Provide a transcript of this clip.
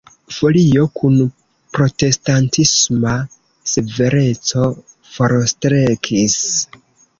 Folio kun protestantisma severeco forstrekis.